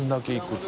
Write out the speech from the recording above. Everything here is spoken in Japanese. って。